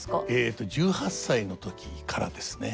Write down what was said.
えと１８歳の時からですね。